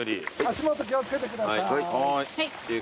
足元気を付けてください。